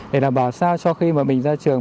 để đảm bảo sao cho khi mình ra trường